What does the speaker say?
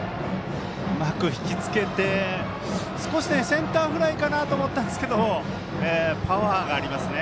うまく引き付けてセンターフライかなと思ったんですがパワーがありますね。